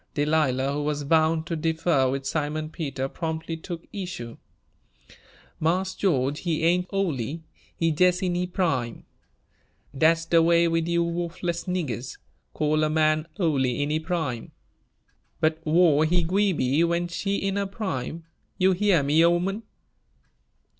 Delilah, who was bound to differ with Simon Peter, promptly took issue. "Marse George, he ain' ole, he jes' in he prime. Dat's de way wid you wuffless niggers call a man ole in he prime." "But whar' he gwi' be, when she in her prime? You heah me, 'oman?"